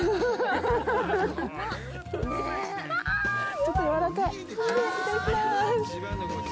ちょっと柔らかい。